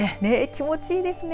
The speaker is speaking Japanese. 気持ちいいですね。